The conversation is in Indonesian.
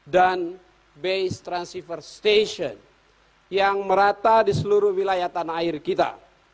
dan base transceiver station yang merata di seluruh wilayah tanah air kita